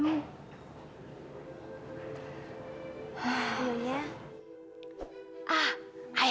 lu bisa denger mama kan you